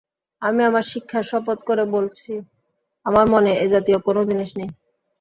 আমি আমার শিক্ষার শপথ করে বলছি আমার মনে এ জাতীয় কোনও জিনিস নেই।